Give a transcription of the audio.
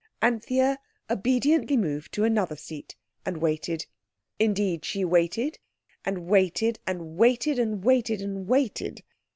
Anthea obediently moved to another seat and waited. Indeed she waited, and waited, and waited, and waited, and waited.